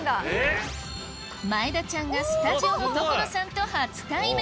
前田ちゃんがスタジオの所さんと初対面！